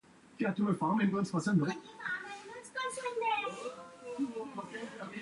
During April, the cruiser participated in the landing at Hollandia.